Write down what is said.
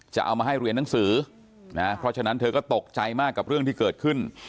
จะเอามาให้เรียนหนังสือนะเพราะฉะนั้นเธอก็ตกใจมากกับเรื่องที่เกิดขึ้น